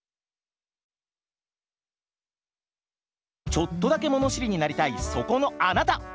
ちょっとだけ物知りになりたいそこのあなた！